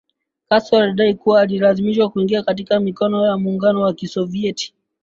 Castro alidai kuwa alilazimishwa kuingia katika mikono ya muungao wa kisovieti